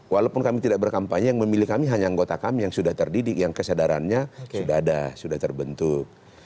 walaupun kami tidak berkampanye yang memilih kami hanya anggota kami yang sudah terdidik yang kesadarannya sudah ada sudah terbentuk